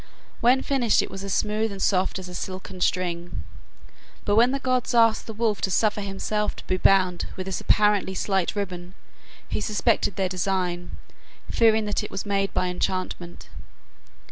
When finished it was as smooth and soft as a silken string. But when the gods asked the wolf to suffer himself to be bound with this apparently slight ribbon, he suspected their design, fearing that it was made by enchantment.